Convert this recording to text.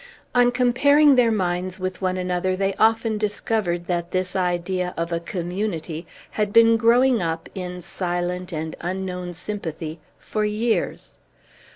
On comparing their minds one with another they often discovered that this idea of a Community had been growing up, in silent and unknown sympathy, for years.